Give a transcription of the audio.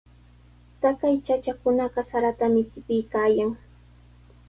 Taqay chachakunaqa saratami tipiykaayan.